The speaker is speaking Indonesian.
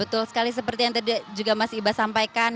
betul sekali seperti yang tadi juga mas iba sampaikan